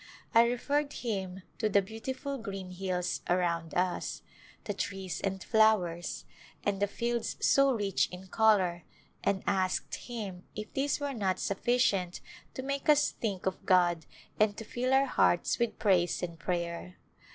I referred him to the beautiful green hills around us, the trees and flowers, and the fields so rich in color, and asked him if these were not sufficient to make us think of God and to fill our hearts with praise and prayer.